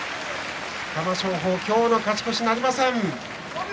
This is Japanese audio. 玉正鳳は今日の勝ち越しはなりません。